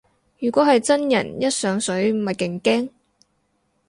如果係真人一上水咪勁驚